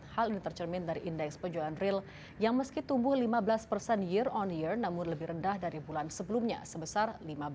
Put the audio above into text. hal ini tercermin dari indeks penjualan real yang meski tumbuh lima belas persen year on year namun lebih rendah dari bulan sebelumnya sebesar lima belas